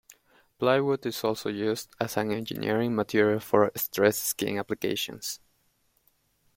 Plywood is also used as an engineering material for stressed-skin applications.